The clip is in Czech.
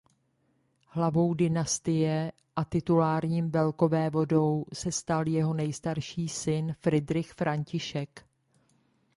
Hlavou dynastie a titulárním velkovévodou se stal jeho nejstarší syn Fridrich František.